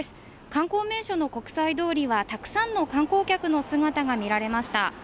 観光名所の国際通りはたくさんの観光客の姿が見られました。